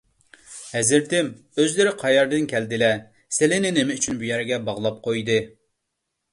ھەزرىتىم، ئۆزلىرى قەيەردىن كەلدىلە؟ سىلىنى نېمە ئۈچۈن بۇ يەرگە باغلاپ قويدى؟